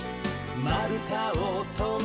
「まるたをとんで」